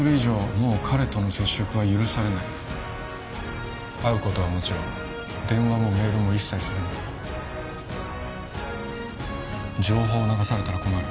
もう彼との接触は許されない会うことはもちろん電話もメールも一切するな情報を流されたら困る